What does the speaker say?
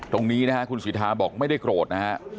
ตรงนี้นะครับคุณสิทธาบอกไม่ได้โกรธนะครับ